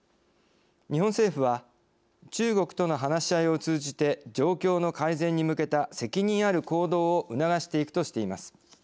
日本政府は中国との話し合いを通じて状況の改善に向けた責任ある行動を促していくとしています。